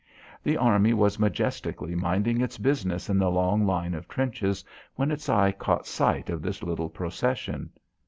The army was majestically minding its business in the long line of trenches when its eye caught sight of this little procession.